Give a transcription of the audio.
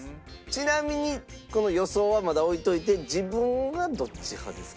ちなみに予想はまだ置いておいて自分はどっち派ですか？